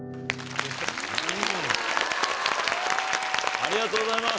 ありがとうございます！